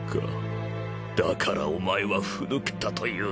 だからお前はふ抜けだというんだ。